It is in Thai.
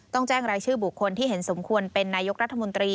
ต้องแจ้งรายชื่อบุคคลที่เห็นสมควรเป็นนายกรัฐมนตรี